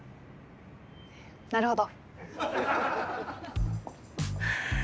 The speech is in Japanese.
なるほど。